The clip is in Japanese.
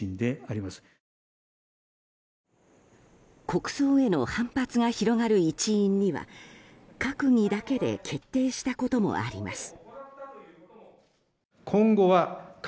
国葬への反発が広がる一因には閣議だけで決定したこともあります。